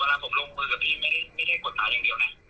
เวลาผมลงมือกับพี่ไม่ได้กฎหมายอย่างเดียวนะ